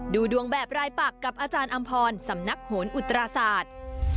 ดูดวงแบบรายปักกับอาจารย์อำพรสำนักโหนอุตราศาสตร์